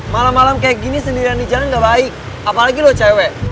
malam malam kayak gini sendirian di jalan gak baik apalagi lo cewek